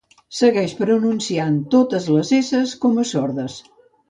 Segueix pronunciant totes les esses com a sordes